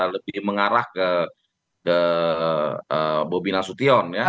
lebih mengarah ke bu bina sution ya